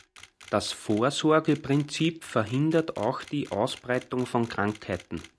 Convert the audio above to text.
Das Vorsorgeprinzip verhindert auch die Ausbreitung von Krankheiten.